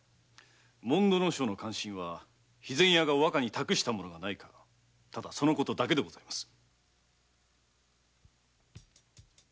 筒井殿の関心は肥前屋がお若に託した物はないかただその事だけでございます。